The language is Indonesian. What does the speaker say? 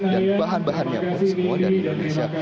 dan bahan bahannya pun semua dari indonesia